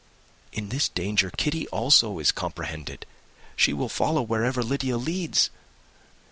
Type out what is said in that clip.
In this danger Kitty is also comprehended. She will follow wherever Lydia leads.